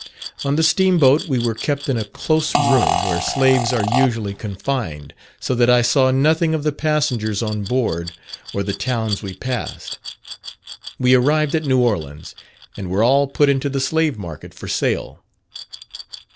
On the steam boat we were kept in a close room where slaves are usually confined, so that I saw nothing of the passengers on board or the towns we passed. We arrived at New Orleans and were all put into the slave market for sale.